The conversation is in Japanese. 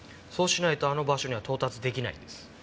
そうしないとあの場所には到達出来ないんです。